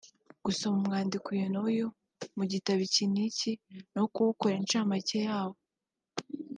gusoma umwandiko uyu n’uyu mu gitabo iki n’iki no kuwukorera incamake yawo